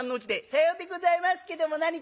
「さようでございますけども何か？」。